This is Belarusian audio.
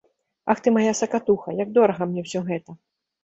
Ах ты мая сакатуха, як дорага мне ўсё гэта!